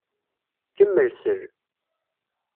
Kemmel sel.